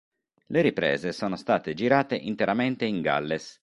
Le riprese sono state girate interamente in Galles.